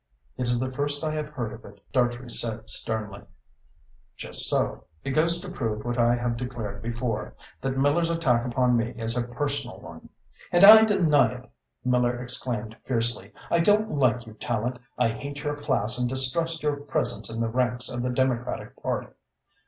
"It is the first I have heard of it," Dartrey said sternly. "Just so. It goes to prove what I have declared before that Miller's attack upon me is a personal one." "And I deny it," Miller exclaimed fiercely. "I don't like you, Tallente, I hate your class and I distrust your presence in the ranks of the Democratic Party.